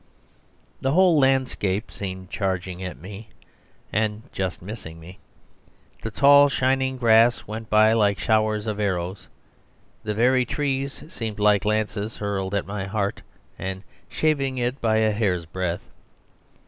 The whole landscape seemed charging at me and just missing me. The tall, shining grass went by like showers of arrows; the very trees seemed like lances hurled at my heart, and shaving it by a hair's breadth.